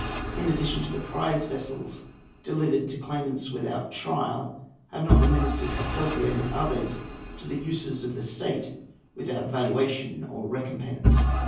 In addition to the prize vessels delivered to claimants without trial, have not the ministers appropriated others to the uses of the state without valuation or recompense?